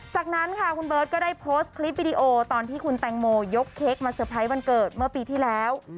จากนั้นค่ะคุณเบิร์ตก็ได้โพสต์คลิปวิดีโอตอนที่คุณแตงโมยกเค้กมาเตอร์ไพรส์วันเกิดเมื่อปีที่แล้ว